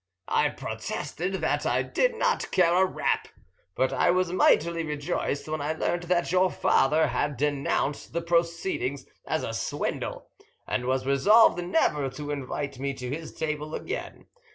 I protested that I did not care a rap; but I was mightily rejoiced when I learnt that your father had denounced the proceedings as a swindle, and was resolved never to invite me to his table again.